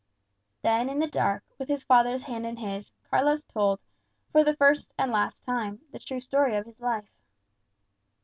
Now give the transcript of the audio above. Then in the dark, with his father's hand in his, Carlos told, for the first and last time, the true story of his life.